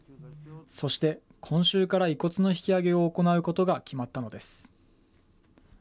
そして今週から遺骨の引き揚げを行うことが決まったのです。